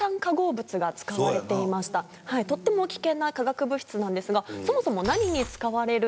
とっても危険な化学物質なんですが。